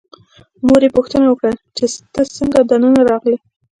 مور یې پوښتنه وکړه چې ته څنګه دننه راغلې.